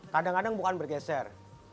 kadang kadang bukan bergeser